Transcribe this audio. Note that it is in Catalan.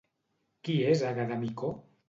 Qui és Àgueda Micó?